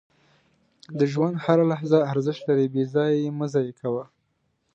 • د ژوند هره لحظه ارزښت لري، بې ځایه یې مه ضایع کوه.